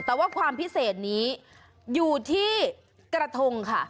แต่ว่าความพิเศษนี้อยู่ที่กระทงค่ะ